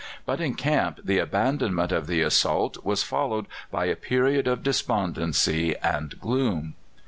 But in camp the abandonment of the assault was followed by a period of despondency and gloom.